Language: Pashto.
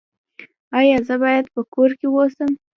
ایا زه باید په کور کې اوسم؟